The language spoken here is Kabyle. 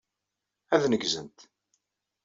Ad neggzent.